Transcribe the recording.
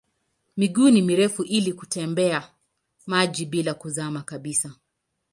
Miguu ni mirefu ili kutembea kwenye maji bila kuzama kabisa.